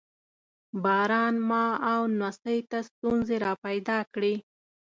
باران ما او نمسۍ ته ستونزې را پیدا کړې.